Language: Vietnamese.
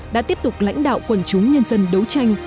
đã tiếp tục lãnh đạo quần chúng nhân dân đấu tranh